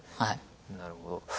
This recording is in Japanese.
なるほど。